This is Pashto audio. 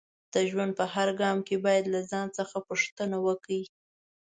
د ژوند په هر ګام کې باید له ځان څخه پوښتنه وکړئ